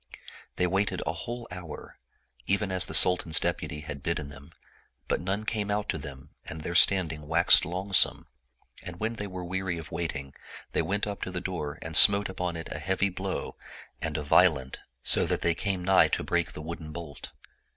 They waited a whole hour, even as the Sultan's deputy had bidden them, but none came out to them and their standing waxed longsomc, and when they were weary of waiting, they went up to the door and smote upon it a heavy blow and a violent^ 103 Oriental Mystery Stories so that they came nigh to break the wooden bolt.